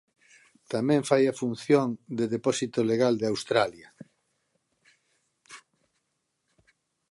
Tamén fai a función de depósito legal de Australia.